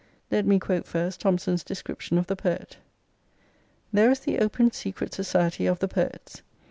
Let me quote first Thomson's description of the Poet :— "There is the Open Secret Society of the Poets.